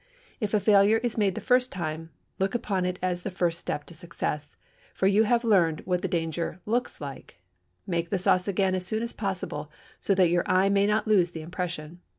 If a failure is made the first time, look upon it as the first step to success, for you have learned what the danger looks like. Make the sauce again as soon as possible, so that your eye may not lose the impression.